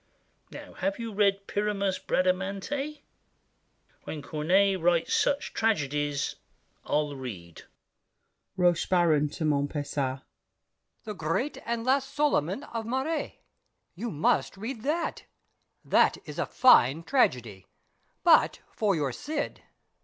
Now have you read Pyramus, Bradamante? When Corneille writes such tragedies, I'll read! ROCHEBARON (to Montpesat). "The Great and Last Soliman" of Mairet, You must read that: that is fine tragedy! But for your "Cid."